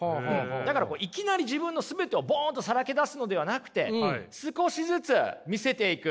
だからこういきなり自分の全てをボンとさらけ出すのではなくて少しずつ見せていく。